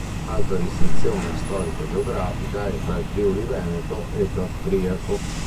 Altra distinzione storico-geografica è tra Friuli veneto ed austriaco.